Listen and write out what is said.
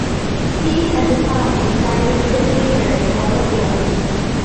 He and his family reside in Sidney, British Columbia.